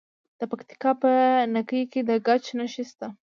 د پکتیکا په نکې کې د ګچ نښې شته.